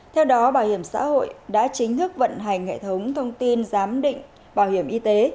theo đó bảo hiểm xã hội đã chính thức vận hành hệ thống thông tin giám định bảo hiểm y tế